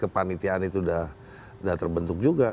kepanitiaan itu sudah terbentuk juga